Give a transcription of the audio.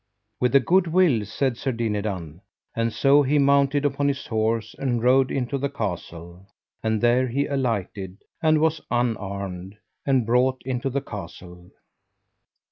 With a good will, said Sir Dinadan; and so he mounted upon his horse and rode into the castle; and there he alighted, and was unarmed, and brought into the castle.